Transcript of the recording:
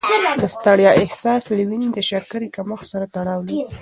د ستړیا احساس له وینې د شکرې کمښت سره تړاو لري.